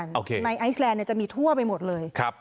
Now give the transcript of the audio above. มันจะมีทั่วไปหมดเลย